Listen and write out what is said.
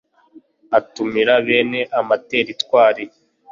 atumira bene amateritwari